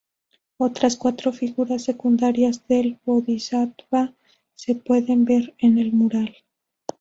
Otras cuatro figuras secundarias del Bodhisattva se pueden ver en el mural.